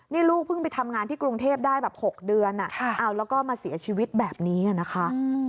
นี่ลูกเพิ่งไปทำงานที่กรุงเทพได้แบบ๖เดือนแล้วก็มาเสียชีวิตแบบนี้นะคะ